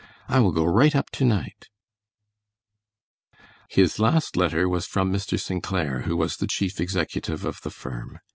I will go right up to night." His last letter was from Mr. St. Clair, who was the chief executive of the firm.